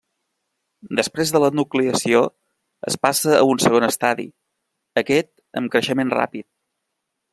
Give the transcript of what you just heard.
Després de la nucleació, es passa a un segon estadi, aquest amb creixement ràpid.